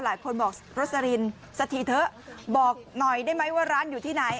หลายคนบอกโรสลินสักทีเถอะบอกหน่อยได้ไหมว่าร้านอยู่ที่ไหน